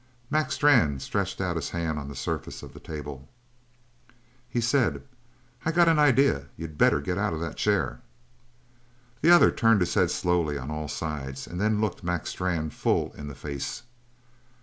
Mac Strann stretched out his hand on the surface of the table. He said: "I got an idea you better get out of that chair." The other turned his head slowly on all sides and then looked Mac Strann full in the face.